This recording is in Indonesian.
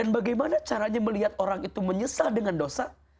bagaimana caranya melihat orang itu menyesal dengan dosa